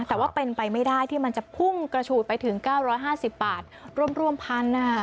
แต่ว่าเป็นไปไม่ได้ที่มันจะพุ่งกระฉูดไปถึง๙๕๐บาทร่วมพัน